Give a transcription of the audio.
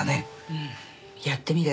うんやってみる。